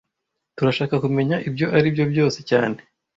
Turashaka kumenya ibyo aribyo byose cyane